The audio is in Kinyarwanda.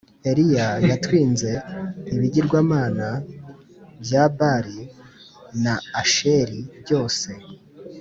eliya yatwinze ibigirwamana bya bari na asheri byose